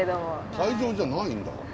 会場じゃないんだ。